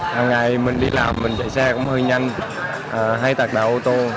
hàng ngày mình đi làm mình chạy xe cũng hơi nhanh hay tạc đạo ô tô